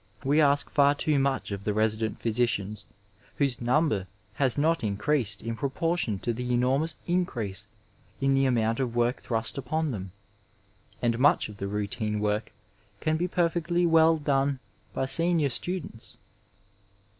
We ask far too much of the resident physicians, whose number has not increased in proportion to the enormous increase in the amoimt of work thrust upon them, and much of the routine work can be perfectly wdl done by senior students.